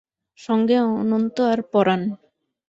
সঙ্গে অনন্ত আর পরাণ।